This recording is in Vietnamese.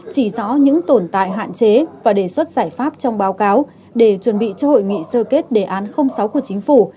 chỉ rõ những tồn tại hạn chế và đề xuất giải pháp trong báo cáo để chuẩn bị cho hội nghị sơ kết đề án sáu của chính phủ